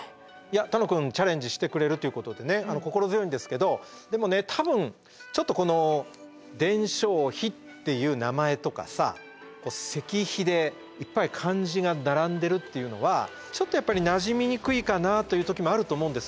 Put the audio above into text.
楽くんチャレンジしてくれるということでね心強いんですけどでもね多分ちょっとこの「伝承碑」っていう名前とかさ石碑でいっぱい漢字が並んでるっていうのはちょっとやっぱりなじみにくいかなあという時もあると思うんです。